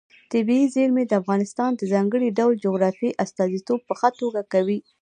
طبیعي زیرمې د افغانستان د ځانګړي ډول جغرافیې استازیتوب په ښه توګه کوي.